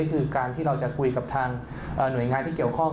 คือการที่เราจะคุยกับทางหน่วยงานที่เกี่ยวข้อง